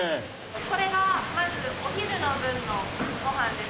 これがまずお昼の分のご飯です。